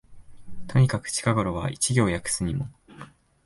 とにかく近頃は一行訳すにも、